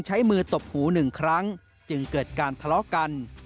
ใช้มือตบหูหนึ่งครั้งจึงเกิดการทะเลาะกัน